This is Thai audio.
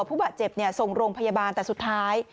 ผู้บาดเจ็บส่งโรงพยาบาลแต่สุดท้าย